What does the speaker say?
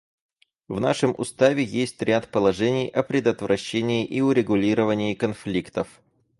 В нашем Уставе есть ряд положений о предотвращении и урегулировании конфликтов.